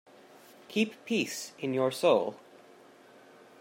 Keep peace in your soul.